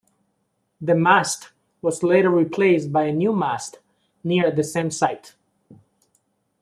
The mast was later replaced by a new mast near the same site.